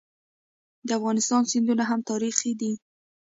د افغانستان سیندونه هم تاریخي دي.